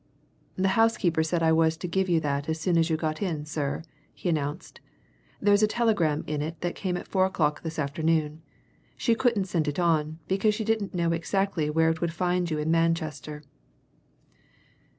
"The housekeeper said I was to give you that as soon as you got in, sir," he announced. "There's a telegram in it that came at four o'clock this afternoon she couldn't send it on, because she didn't know exactly where it would find you in Manchester."